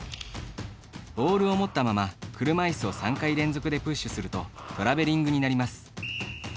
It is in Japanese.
ボールを持ったまま、車いすを３回連続でプッシュするとトラベリングになります。